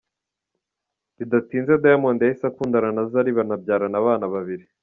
Bidatinze, Diamond yahise akundana na Zari banabyarana abana babiri.